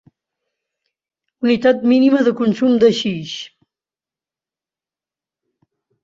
Unitat mínima de consum d'haixix.